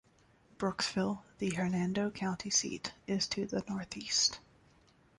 Brooksville, the Hernando County seat, is to the northeast.